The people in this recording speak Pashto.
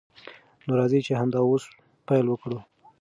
نو راځئ چې همدا اوس پیل وکړو.